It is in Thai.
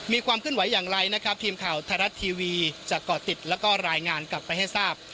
มีความเคลื่อนไหวอย่างไรนะครับทีมข่าวไทยรัฐทีวีจะเกาะติดแล้วก็รายงานกลับไปให้ทราบ